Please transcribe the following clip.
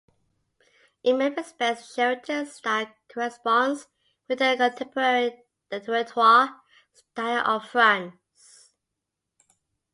In many respects Sheraton style corresponds with the contemporary Directoire style of France.